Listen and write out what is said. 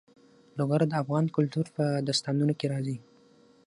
لوگر د افغان کلتور په داستانونو کې راځي.